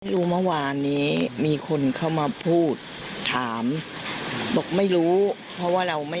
รู้เมื่อวานนี้มีคนเข้ามาพูดถามบอกไม่รู้เพราะว่าเราไม่